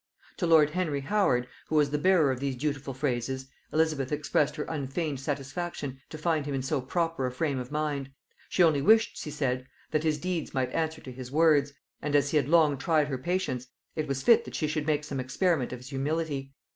To lord Henry Howard, who was the bearer of these dutiful phrases, Elizabeth expressed her unfeigned satisfaction to find him in so proper a frame of mind; she only wished, she said, that his deeds might answer to his words; and as he had long tried her patience, it was fit that she should make some experiment of his humility.